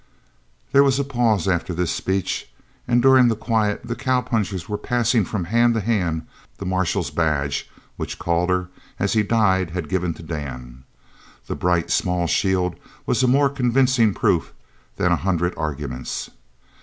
There was a pause after this speech, and during the quiet the cowpunchers were passing from hand to hand the marshal's badge which Calder, as he died, had given to Dan. The bright small shield was a more convincing proof than a hundred arguments.